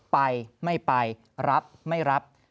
ไปไม่ไปรับไม่รับ